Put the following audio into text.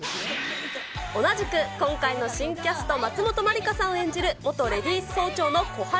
同じく、今回の新キャスト、松本まりかさんが演じる元レディース総長の虎春。